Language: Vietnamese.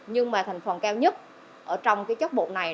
nhưng mà thành phần cao nhất trong cái chất bột này